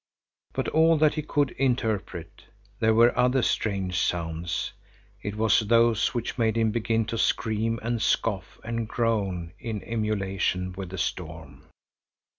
But all that he could interpret; there were other strange sounds. It was those which made him begin to scream and scoff and groan in emulation with the storm.